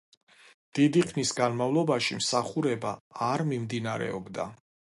დიდი ხნის განმავლობაში მსახურება არ მიმდინარეობდა.